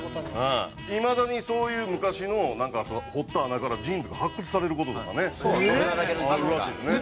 いまだにそういう昔のなんか掘った穴からジーンズが発掘される事とかねあるらしいですね。